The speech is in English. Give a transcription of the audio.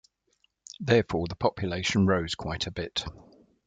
Therefore, the population rose quite a bit.